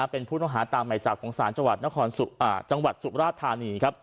เป็นผู้ต้องหาตามหมายจับของศาลจังหวัดสุราธานี